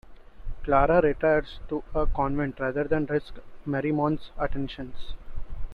Clara retires to a convent rather than risk Marmion's attentions.